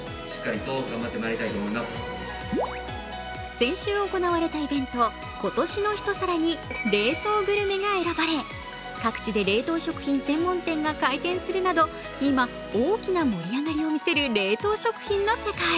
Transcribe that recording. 先週行われたイベント今年の一皿に、冷凍グルメが選ばれ各地で冷凍食品専門店が開店するなど今、大きな盛り上がりを見せる冷凍食品の世界。